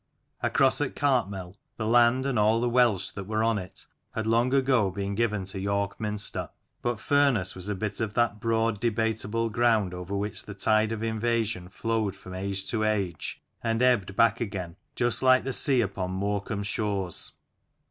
Across at Cartmel the land and all the Welsh that were on it had long ago been given to York Minster ; but Furness was a bit of that broad debatable ground over which the tide of invasion flowed from age to age and ebbed back again, just like the sea upon Morecambe shores.